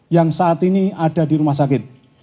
yang saat ini ada di rumah sakit